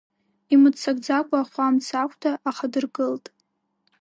Имыццакӡакәа ахәамц ахәда ахадыргылт.